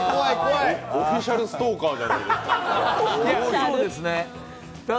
オフィシャルストーカーじゃないですか。